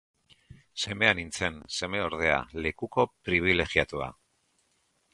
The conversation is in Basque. Semea nintzen, semeordea, lekuko pribilegiatua.